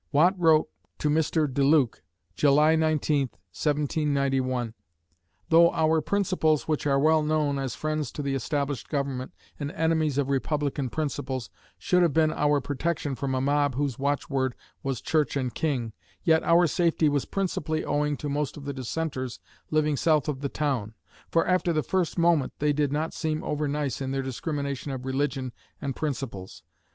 Watt wrote to Mr. DeLuc, July 19, 1791: Though our principles, which are well known, as friends to the established government and enemies of republican principles, should have been our protection from a mob whose watchword was Church and King, yet our safety was principally owing to most of the Dissenters living south of the town; for after the first moment they did not seem over nice in their discrimination of religion and principles.